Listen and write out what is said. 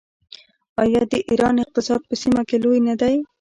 آیا د ایران اقتصاد په سیمه کې لوی نه دی؟